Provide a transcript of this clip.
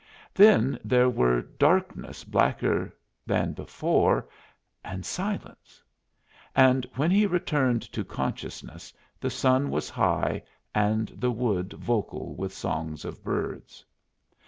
Then there were darkness blacker than before, and silence; and when he returned to consciousness the sun was high and the wood vocal with songs of birds.